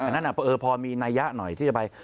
อันนั้นพอมีนัยะหน่อยที่จะไป